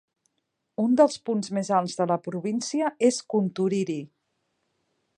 Un dels punts més alts de la província és Kunturiri.